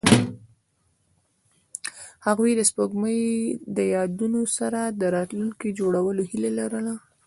هغوی د سپوږمۍ له یادونو سره راتلونکی جوړولو هیله لرله.